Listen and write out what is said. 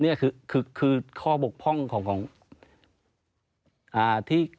นี่คือข้อบกพร่องของที่